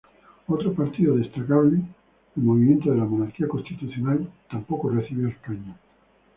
Otro partido destacable, el Movimiento de la Monarquía Constitucional tampoco recibió escaños.